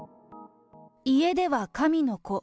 家では神の子。